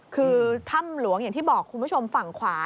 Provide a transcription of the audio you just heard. คือถ้ำหลวงอย่างที่บอกคุณผู้ชมฝั่งขวา